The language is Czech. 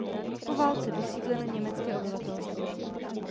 Po válce vysídleno německé obyvatelstvo.